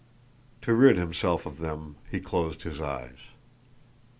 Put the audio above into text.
To rid himself of them he closed his eyes.